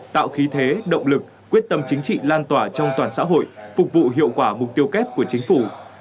tạo khí thế động lực quyết tâm chính trị lan tỏa trong toàn xã hội phục vụ hiệu quả mục tiêu kép của chính phủ